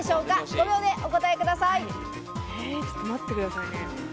５秒でお答えください。